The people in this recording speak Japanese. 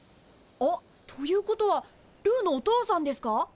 あっということはルーのお父さんですか？